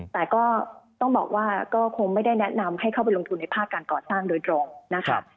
แต่ก็ต้องบอกว่าก็คงไม่ได้แนะนำให้เข้าไปลงทุนในภาคการก่อสร้างโดยตรงนะคะ